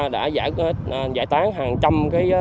đã giải tán hàng trăm